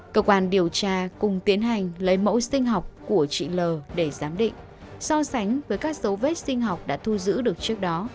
cơ quan điều tra cùng tiến hành lấy mẫu sinh học của chị l để giám định so sánh với các dấu vết sinh học đã thu giữ được trước đó